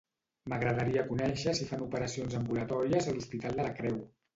M'agradaria conèixer si fan operacions ambulatòries a l'hospital de la Creu.